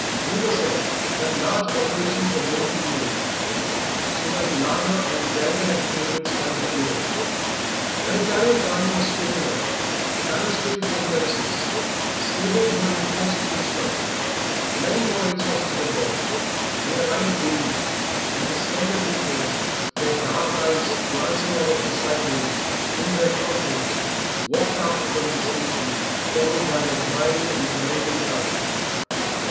Rumour said that large alterations were going to be made, so that larger and grander entertainments might be given; an Italian garden was spoken of, balustrades and terraces, stables were in course of construction, many more race horses were bought; they arrived daily, and the slender creatures, their dark eyes glancing out of the sight holes in their cloth hoods, walked up from the station followed by an admiring and commenting crowd.